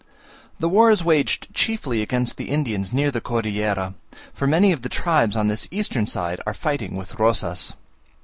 The war is waged chiefly against the Indians near the Cordillera; for many of the tribes on this eastern side are fighting with Rosas.